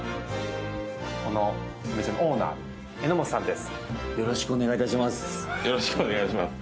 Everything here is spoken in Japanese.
このお店のオーナー、榎本さんです。